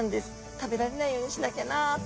食べられないようにしなきゃなと！